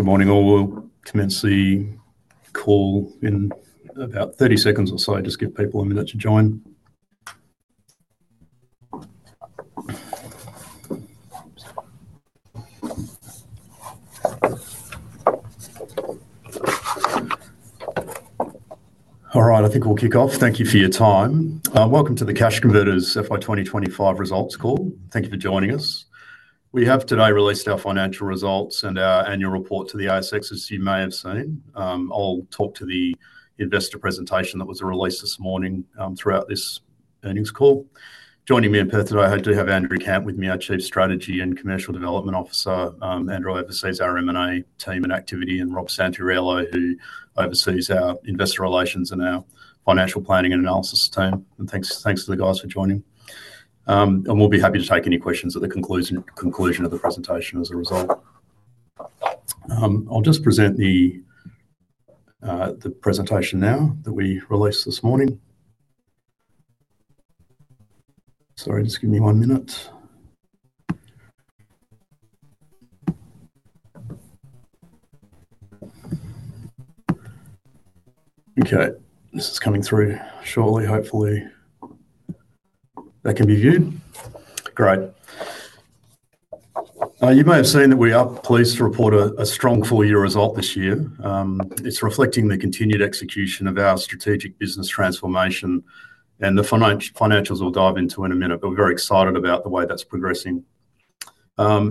Good morning all. We'll commence call in about 30 seconds or so. Just give people a minute to join. All right, I think we'll kick off. Thank you for your time. Welcome to the Cash Converters FY 2025 results call. Thank you for joining us. We have today released our financial results and our annual report to the ASX, as you may have seen. I'll talk to the investor presentation that was released this morning throughout this earnings call. Joining me in person, I do have Andrew Kamp with me, our Chief Strategy and Commercial Development Officer. Andrew oversees our M&A team and activity, and Rob Santoriello, who oversees our Investor Relations and our Financial Planning and Analysis team. Thanks to the guys for joining. We'll be happy to take any questions at the conclusion of the presentation as a result. I'll just present the presentation now that we released this morning. Sorry, just give me one minute. Okay, this is coming through shortly. Hopefully, that can be viewed. Great. You may have seen that we are pleased to report a strong full-year result this year. It's reflecting the continued execution of our strategic business transformation, and the financials we'll dive into in a minute. We're very excited about the way that's progressing.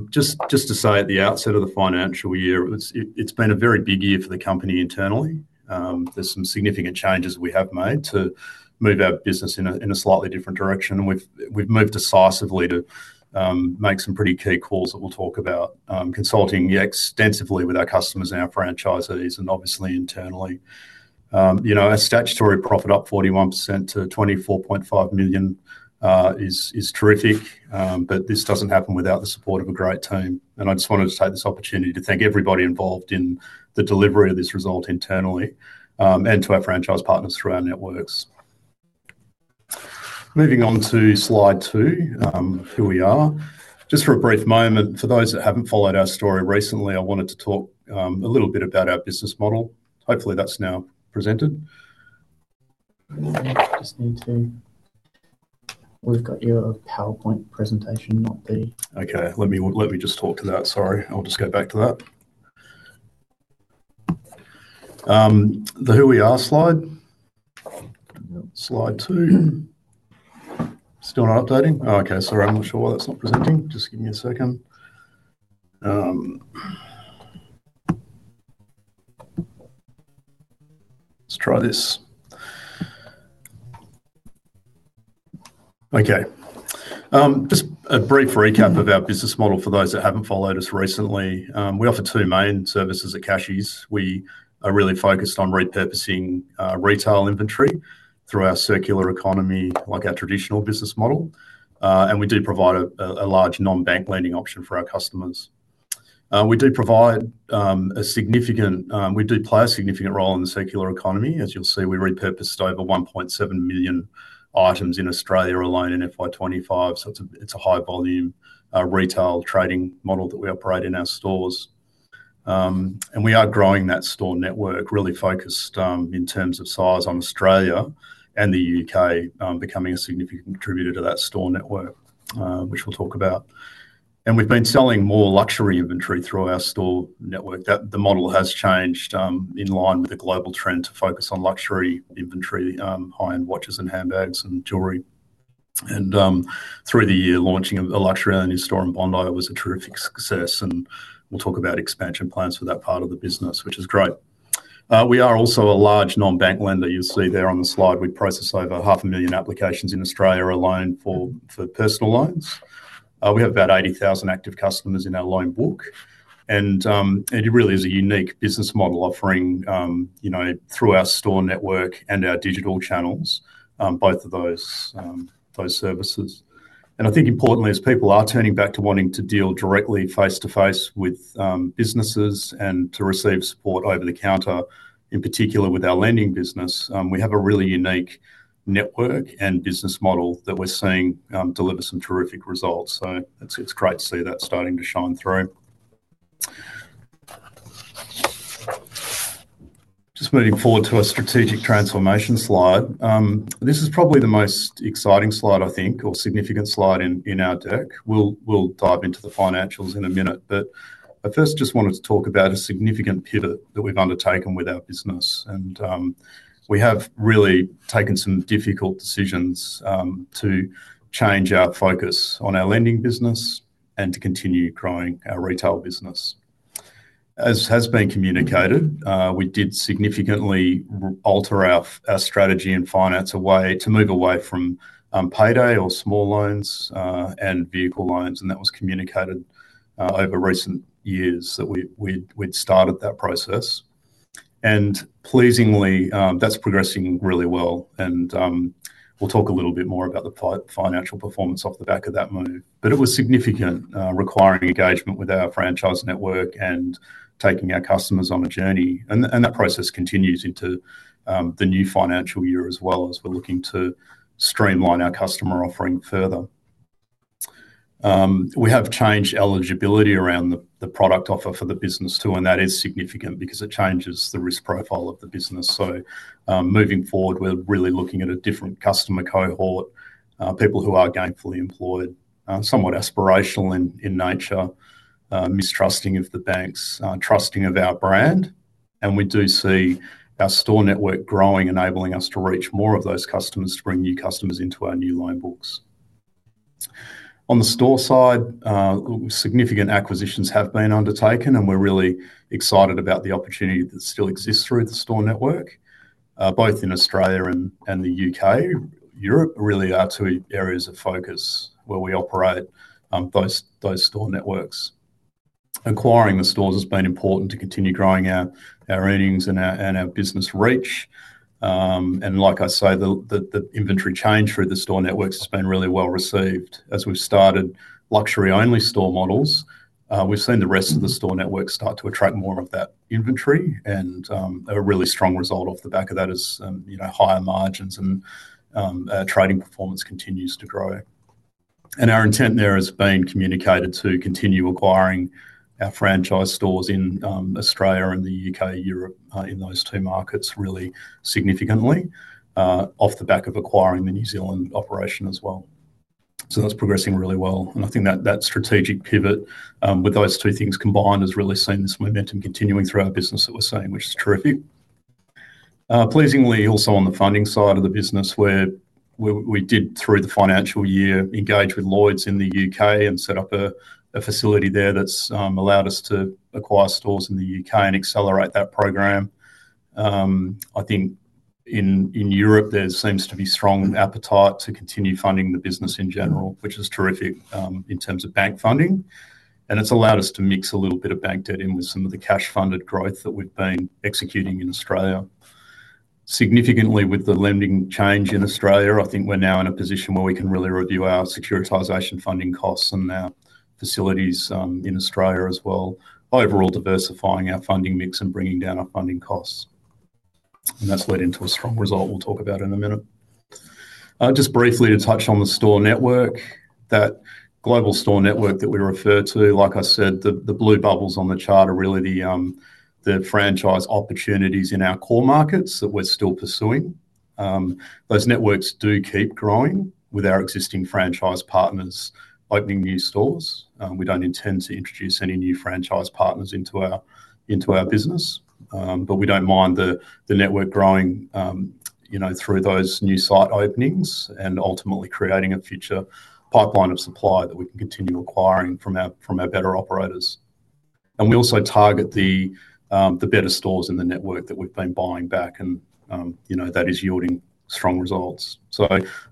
Just to say, at the outset of the financial year, it's been a very big year for the company internally. There's some significant changes we have made to move our business in a slightly different direction, and we've moved decisively to make some pretty key calls that we'll talk about. Consulting extensively with our customers and our franchisees, and obviously internally. You know, a statutory profit up 41% to $24.5 million is terrific, but this doesn't happen without the support of a great team. I just wanted to take this opportunity to thank everybody involved in the delivery of this result internally, and to our franchise partners throughout networks. Moving on to slide two, who we are. Just for a brief moment, for those that haven't followed our story recently, I wanted to talk a little bit about our business model. Hopefully, that's now presented. Just need to, we've got your PowerPoint presentation not there. Okay, let me just talk to that. I'll just go back to that, the who we are slide, slide two. Still not updating. I'm not sure why that's not presenting. Just give me a second. Let's try this. Just a brief recap of our business model for those that haven't followed us recently. We offer two main services at Cash. We are really focused on repurposing retail inventory through our circular economy, like our traditional business model. We do provide a large non-bank lending option for our customers. We do play a significant role in the circular economy. As you'll see, we repurposed over 1.7 million items in Australia alone in FY 2025. It's a high volume retail trading model that we operate in our stores. We are growing that store network, really focused in terms of size on Australia and the U.K., becoming a significant contributor to that store network, which we'll talk about. We've been selling more luxury inventory through our store network. The model has changed in line with the global trend to focus on luxury inventory, high-end watches and handbags and jewelry. Through the year, launching a luxury-only store in Bondi Junction was a terrific success. We'll talk about expansion plans for that part of the business, which is great. We are also a large non-bank lender. You see there on the slide, we process over 500,000 applications in Australia alone for personal loans. We have about 80,000 active customers in our loan book. It really is a unique business model offering, through our store network and our digital channels, both of those services. I think importantly, as people are turning back to wanting to deal directly face-to-face with businesses and to receive support over the counter, in particular with our lending business, we have a really unique network and business model that we're seeing deliver some terrific results. It's great to see that starting to shine through. Moving forward to a strategic transformation slide, this is probably the most exciting slide, I think, or significant slide in our deck. We'll dive into the financials in a minute. I first just wanted to talk about a significant pivot that we've undertaken with our business. We have really taken some difficult decisions to change our focus on our lending business and to continue growing our retail business. As has been communicated, we did significantly alter our strategy and finance a way to move away from payday or small loans and vehicle loans. That was communicated over recent years that we'd started that process. Pleasingly, that's progressing really well. We'll talk a little bit more about the financial performance off the back of that move. It was significant, requiring engagement with our franchise network and taking our customers on a journey. That process continues into the new financial year as well, as we're looking to streamline our customer offering further. We have changed eligibility around the product offer for the business too. That is significant because it changes the risk profile of the business. Moving forward, we're really looking at a different customer cohort, people who are gainfully employed, somewhat aspirational in nature, mistrusting of the banks, trusting of our brand. We do see our store network growing, enabling us to reach more of those customers, to bring new customers into our new loan books. On the store side, significant acquisitions have been undertaken. We're really excited about the opportunity that still exists through the store network, both in Australia and the U.K. Europe really are two areas of focus where we operate those store networks. Acquiring the stores has been important to continue growing our earnings and our business reach. The inventory change through the store networks has been really well received. As we've started luxury-only store models, we've seen the rest of the store networks start to attract more of that inventory. A really strong result off the back of that is higher margins and trading performance continues to grow. Our intent there has been communicated to continue acquiring our franchise stores in Australia and the U.K., Europe, in those two markets really significantly off the back of acquiring the New Zealand operation as well. That's progressing really well. I think that that strategic pivot with those two things combined has really seen this momentum continuing through our business that we're saying, which is true. Pleasingly, also on the funding side of the business, we did through the financial year engage with Lloyds in the U.K. and set up a facility there that's allowed us to acquire stores in the U.K. and accelerate that program. I think in Europe, there seems to be a strong appetite to continue funding the business in general, which is terrific in terms of bank funding. It's allowed us to mix a little bit of bank debt in with some of the cash-funded growth that we've been executing in Australia. Significantly, with the lending change in Australia, I think we're now in a position where we can really review our securitization funding costs and our facilities in Australia as well, overall diversifying our funding mix and bringing down our funding costs. That's led into a strong result we'll talk about in a minute. Just briefly to touch on the store network, that global store network that we refer to, like I said, the blue bubbles on the chart are really the franchise opportunities in our core markets that we're still pursuing. Those networks do keep growing with our existing franchise partners opening new stores. We don't intend to introduce any new franchise partners into our business, but we don't mind the network growing through those new site openings and ultimately creating a future pipeline of supply that we can continue acquiring from our better operators. We also target the better stores in the network that we've been buying back, and that is yielding strong results.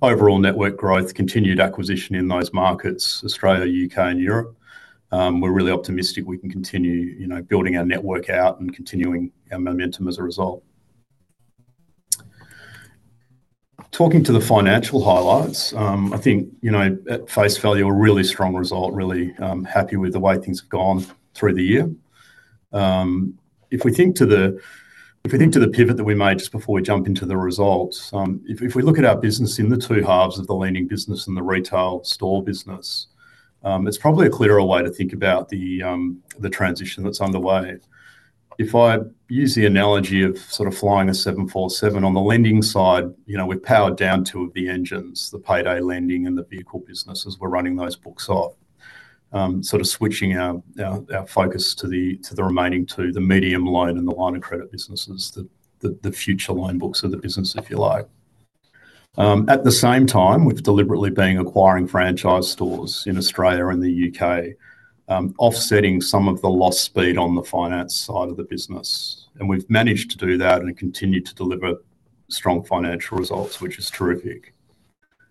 Overall network growth, continued acquisition in those markets, Australia, U.K., and Europe. We're really optimistic we can continue building our network out and continuing our momentum as a result. Talking to the financial highlights, I think at face value, a really strong result, really happy with the way things have gone through the year. If we think to the pivot that we made just before we jump into the results, if we look at our business in the two halves of the lending business and the retail store business, there's probably a clearer way to think about the transition that's underway. If I use the analogy of sort of flying a 747 on the lending side, we've powered down two of the engines, the payday lending and the vehicle business, as we're running those books off, sort of switching our focus to the remaining two, the medium loan and the line of credit businesses, the future line books of the business, if you like. At the same time, we've deliberately been acquiring franchise stores in Australia and the U.K., offsetting some of the loss speed on the finance side of the business. We've managed to do that and continue to deliver strong financial results, which is terrific.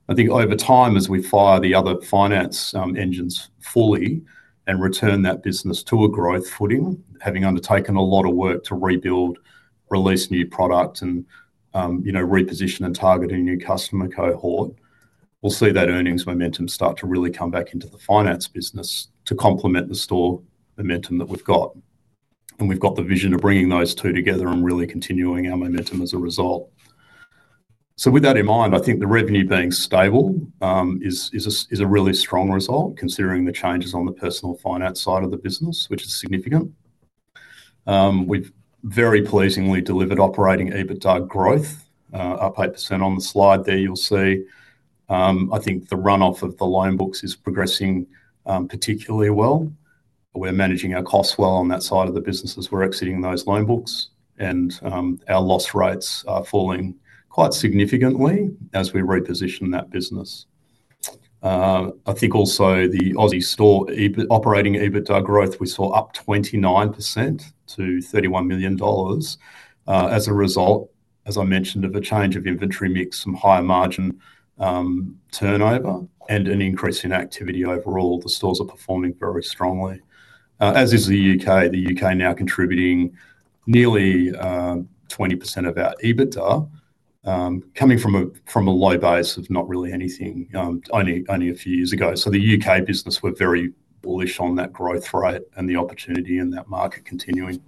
I think over time, as we fire the other finance engines fully and return that business to a growth footing, having undertaken a lot of work to rebuild, release new product, and reposition and target a new customer cohort, we'll see that earnings momentum start to really come back into the finance business to complement the store momentum that we've got. We've got the vision of bringing those two together and really continuing our momentum as a result. With that in mind, I think the revenue being stable is a really strong result, considering the changes on the personal finance side of the business, which is significant. We've very pleasingly delivered operating EBITDA growth, up 8% on the slide there, you'll see. I think the runoff of the loan books is progressing particularly well. We're managing our costs well on that side of the business as we're exiting those loan books, and our loss rates are falling quite significantly as we reposition that business. I think also the Aussie store operating EBITDA growth, we saw up 29% to $31 million. As a result, as I mentioned, of a change of inventory mix, some higher margin turnover, and an increase in activity overall, the stores are performing very strongly. As is the U.K., the U.K. now contributing nearly 20% of our EBITDA, coming from a low base of not really anything, only a few years ago. The U.K. business, we're very bullish on that growth rate and the opportunity in that market continuing.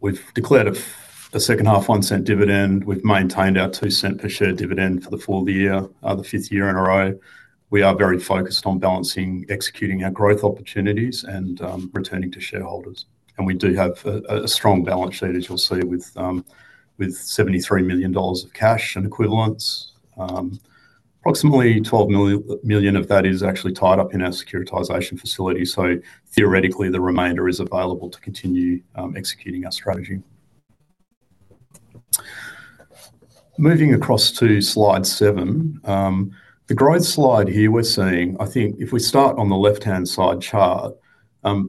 We've declared a second half $0.01 dividend. We've maintained our $0.02 per share dividend for the fourth year, the fifth year in a row. We are very focused on balancing executing our growth opportunities and returning to shareholders. We do have a strong balance sheet, as you'll see, with $73 million of cash and equivalents. Approximately $12 million of that is actually tied up in our securitization facility. Theoretically, the remainder is available to continue executing our strategy. Moving across to slide seven, the growth slide here, we're seeing, I think if we start on the left-hand side chart,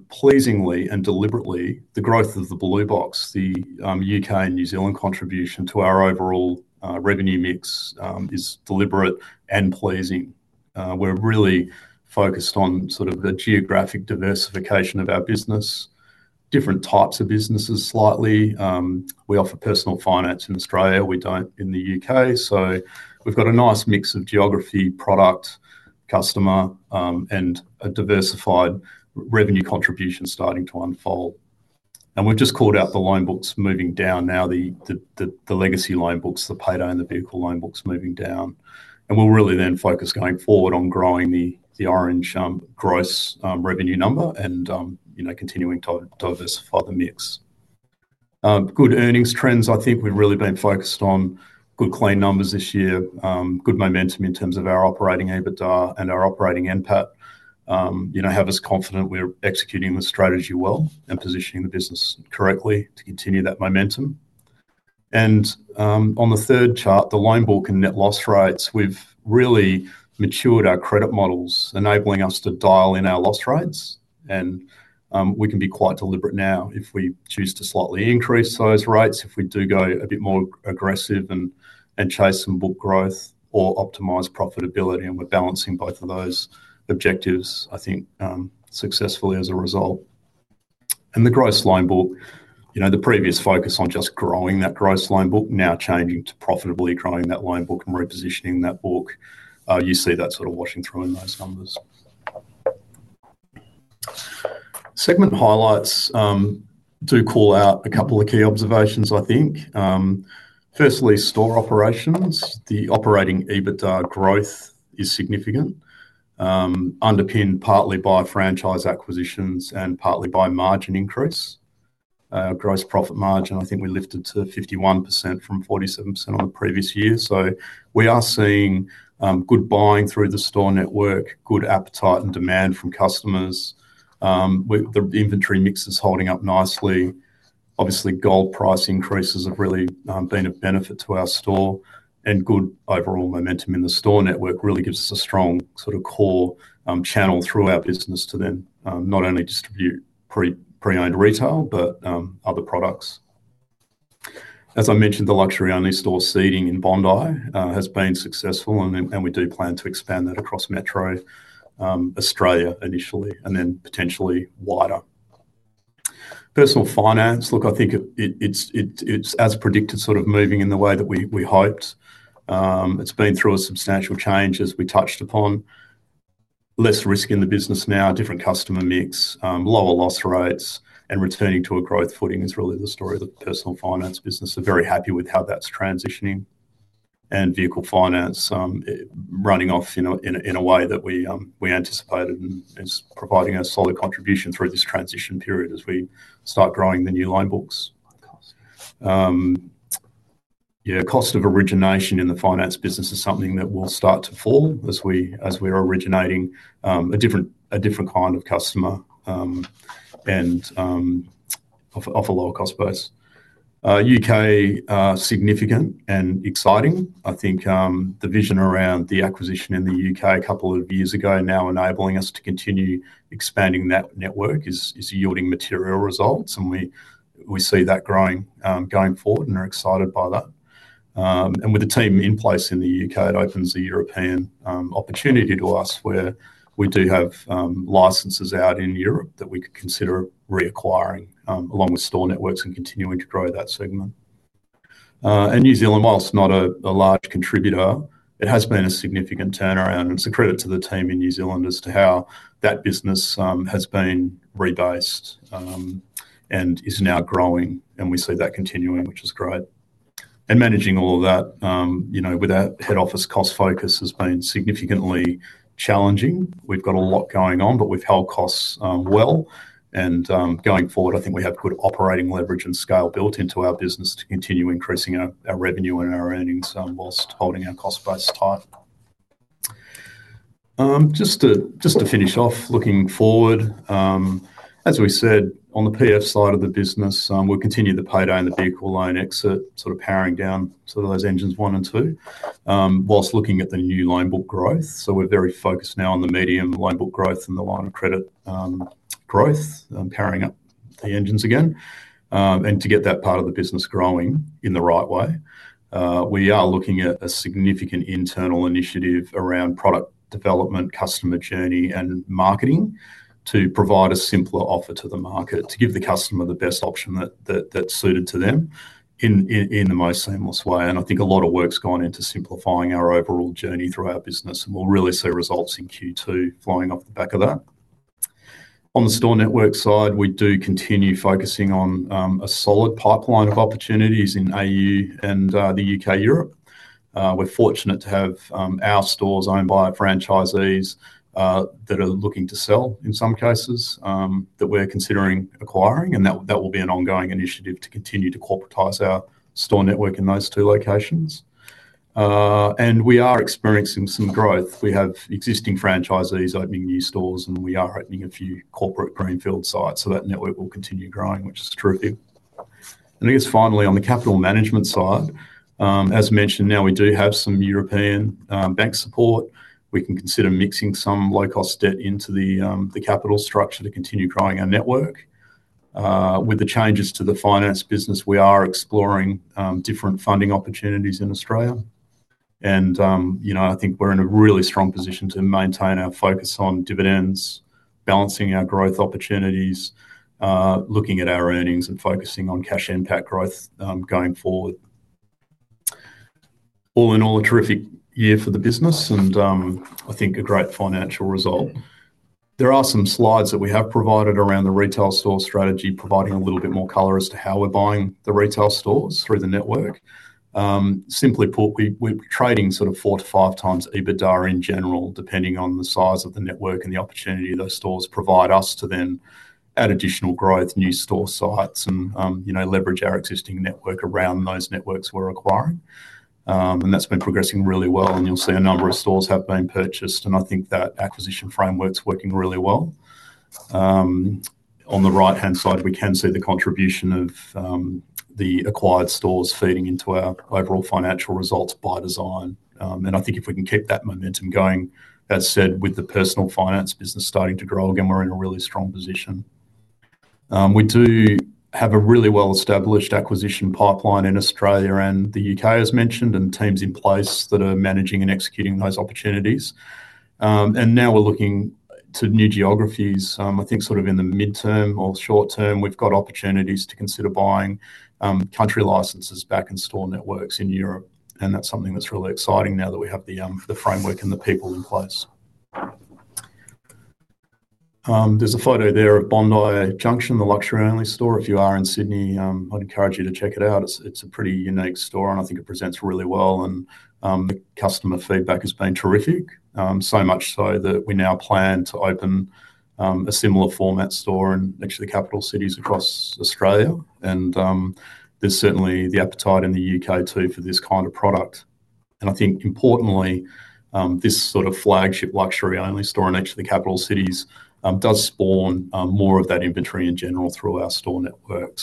pleasingly and deliberately, the growth of the blue box, the U.K. and New Zealand contribution to our overall revenue mix is deliberate and pleasing. We're really focused on sort of the geographic diversification of our business, different types of businesses slightly. We offer personal finance in Australia, we don't in the U.K. We've got a nice mix of geography, product, customer, and a diversified revenue contribution starting to unfold. We've just called out the loan books moving down now, the legacy loan books, the payday and the vehicle loan books moving down. We'll really then focus going forward on growing the orange gross revenue number and continuing to diversify the mix. Good earnings trends, I think we've really been focused on good clean numbers this year, good momentum in terms of our operating EBITDA and our operating NPAT. You know, have us confident we're executing the strategy well and positioning the business correctly to continue that momentum. On the third chart, the loan book and net loss rates, we've really matured our credit models, enabling us to dial in our loss rates. We can be quite deliberate now if we choose to slightly increase those rates, if we do go a bit more aggressive and chase some book growth or optimize profitability. We're balancing both of those objectives, I think, successfully as a result. The gross loan book, the previous focus on just growing that gross loan book, now changing to profitably growing that loan book and repositioning that book. You see that sort of washing through in those numbers. Segment highlights do call out a couple of key observations, I think. Firstly, store operations, the operating EBITDA growth is significant, underpinned partly by franchise store acquisitions and partly by margin increase. Gross profit margin, I think we lifted to 51% from 47% on the previous year. We are seeing good buying through the store network, good appetite and demand from customers. The inventory mix is holding up nicely. Obviously, gold price increases have really been a benefit to our store. Good overall momentum in the store network really gives us a strong sort of core channel through our business to then not only distribute pre-owned retail, but other products. As I mentioned, the luxury-only store seating in Bondi Junction has been successful, and we do plan to expand that across Metro Australia initially, and then potentially wider. Personal finance, look, I think it's, as predicted, sort of moving in the way that we hoped. It's been through a substantial change, as we touched upon. Less risk in the business now, different customer mix, lower loss rates, and returning to a growth footing is really the story of the personal finance business. They're very happy with how that's transitioning. Vehicle finance running off in a way that we anticipated and just providing a solid contribution through this transition period as we start growing the new loan books. Cost of origination in the finance business is something that will start to fall as we are originating a different kind of customer and offer lower cost price. U.K., significant and exciting. I think the vision around the acquisition in the UK a couple of years ago and now enabling us to continue expanding that network is yielding material results, and we see that growing going forward and are excited by that. With the team in place in the U.K., it opens a European opportunity to us where we do have licenses out in Europe that we could consider reacquiring along with store networks and continuing to grow that segment. New Zealand, whilst not a large contributor, has been a significant turnaround, and it's a credit to the team in New Zealand as to how that business has been rebased and is now growing. We see that continuing, which is great. Managing all of that with our head office cost focus has been significantly challenging. We've got a lot going on, but we've held costs well. Going forward, I think we have good operating leverage and scale built into our business to continue increasing our revenue and our earnings, selling whilst holding our cost base tight. Just to finish off, looking forward, as we said, on the personal finance side of the business, we'll continue the payday and the vehicle loan exit, powering down those engines one and two, whilst looking at the new loan book growth. We're very focused now on the medium loan book growth and the line of credit growth, powering up the engines again. To get that part of the business growing in the right way, we are looking at a significant internal initiative around product development, customer journey, and marketing to provide a simpler offer to the market, to give the customer the best option that's suited to them in the most seamless way. I think a lot of work's gone into simplifying our overall journey through our business, and we'll really see results in Q2 flowing off the back of that. On the store network side, we do continue focusing on a solid pipeline of opportunities in Australia and the U.K.-Europe. We're fortunate to have our stores owned by franchisees that are looking to sell in some cases that we're considering acquiring, and that will be an ongoing initiative to continue to corporatize our store network in those two locations. We are experiencing some growth. We have existing franchisees opening new stores, and we are opening a few corporate greenfield sites, so that network will continue growing, which is terrific. Finally, on the capital management side, as mentioned, now we do have some European bank support. We can consider mixing some low-cost debt into the capital structure to continue growing our network. With the changes to the finance business, we are exploring different funding opportunities in Australia. I think we're in a really strong position to maintain our focus on dividends, balancing our growth opportunities, looking at our earnings, and focusing on cash impact growth going forward. All in all, a terrific year for the business, and I think a great financial result. There are some slides that we have provided around the retail store strategy, providing a little bit more color as to how we're buying the retail stores through the network. Simply put, we're trading sort of four to five times EBITDA in general, depending on the size of the network and the opportunity those stores provide us to then add additional growth, new store sites, and leverage our existing network around those networks we're acquiring. That's been progressing really well, and you'll see a number of stores have been purchased, and I think that acquisition framework's working really well. On the right-hand side, we can see the contribution of the acquired stores feeding into our overall financial results by design. I think if we can keep that momentum going, as said, with the personal finance business starting to grow again, we're in a really strong position. We do have a really well-established acquisition pipeline in Australia and the U.K., as mentioned, and teams in place that are managing and executing those opportunities. Now we're looking to new geographies. I think in the midterm or short term, we've got opportunities to consider buying country licenses back in store networks in Europe. That's something that's really exciting now that we have the framework and the people in place. There's a photo there of Bondi Junction, the luxury only store. If you are in Sydney, I'd encourage you to check it out. It's a pretty unique store, and I think it presents really well. The customer feedback has been terrific, so much so that we now plan to open a similar format store in each of the capital cities across Australia. There's certainly the appetite in the U.K. too for this kind of product. Importantly, this sort of flagship luxury only store in each of the capital cities does spawn more of that inventory in general through our store network.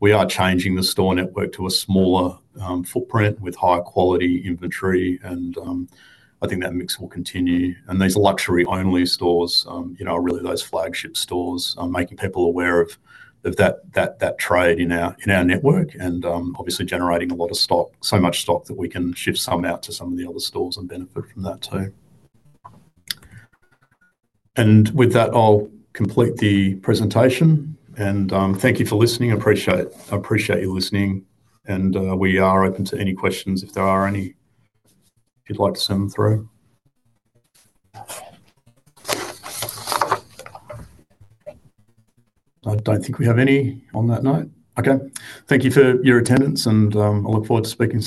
We are changing the store network to a smaller footprint with higher quality inventory. I think that mix will continue. Those luxury only stores are really those flagship stores, making people aware of that trade in our network and obviously generating a lot of stock, so much stock that we can shift some out to some of the other stores and benefit from that too. With that, I'll complete the presentation. Thank you for listening. I appreciate you listening. We are open to any questions if there are any you'd like to send them through. I don't think we have any on that note. Thank you for your attendance. I look forward to speaking.